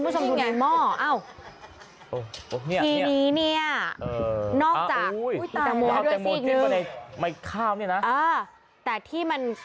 ต้องกินผักเหมือนกัน